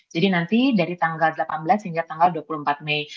jadi nanti dari tanggal delapan belas hingga tanggal dua puluh empat mei